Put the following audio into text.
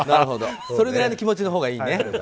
それぐらいの気持ちのほうがいいね。